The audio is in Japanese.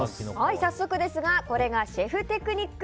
早速ですがこれがシェフテクニック。